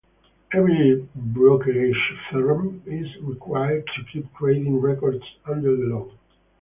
Every brokerage firm is required to keep trading records under the law.